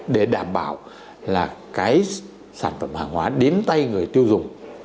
để đảm bảo là cái sản phẩm hàng hóa đến tay người tiêu dùng